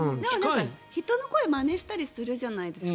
人の声をまねしたりするじゃないですか。